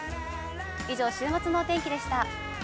以上、週末のお天気でした。